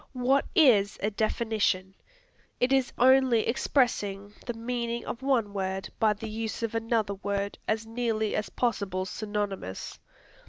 What is a definition? It is only expressing the meaning of one word by the use of another word as nearly as possible synonymous.